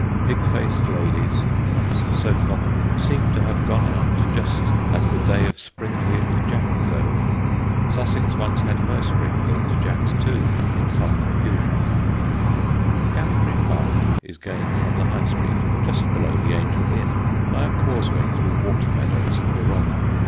Pig faced ladies (once so common) seem to have gone out, just as the day of Spring heeled Jack is over. Sussex once had her Spring heeled Jacks, too, in some profusion. [Illustration: Cowdray.] [Sidenote: ELIZABETH AT COWDRAY] Cowdray Park is gained from the High Street, just below the Angel Inn, by a causeway through water meadows of the Rother.